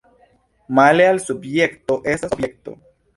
Male al subjekto estas objekto.